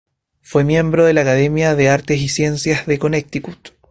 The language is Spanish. Fue miembro de la Academia de Artes y Ciencias de Connecticut.